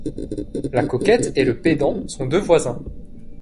La coquette et le pédant sont deux voisins.